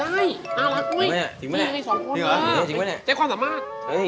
น่ารักไหมจริงไหมแล้วจริงไหม